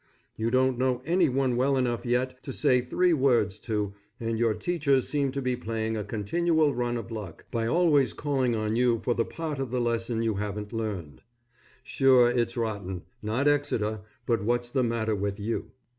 You don't know any one well enough yet to say three words to, and your teachers seem to be playing a continual run of luck, by always calling on you for the part of the lesson you haven't learned. Sure it's rotten; not Exeter, but what's the matter with you.